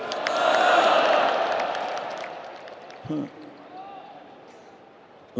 sebetulnya tapi tadi saya pikir sudah disebut oleh mbak puan